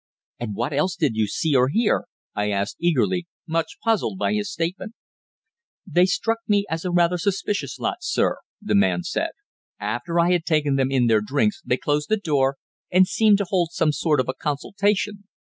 "And what else did you see or hear?" I asked eagerly, much puzzled by his statement. "They struck me as rather a suspicious lot, sir," the man said. "After I had taken them in their drinks they closed the door, and seemed to hold some sort of a consultation.